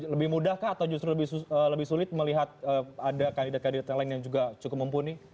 lebih mudah kah atau justru lebih sulit melihat ada kandidat kandidat lain yang cukup mumpuni